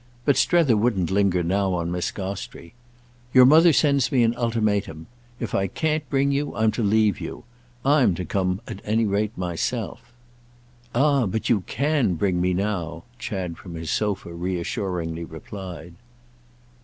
But Strether wouldn't linger now on Miss Gostrey. "Your mother sends me an ultimatum. If I can't bring you I'm to leave you; I'm to come at any rate myself." "Ah but you can bring me now," Chad, from his sofa, reassuringly replied.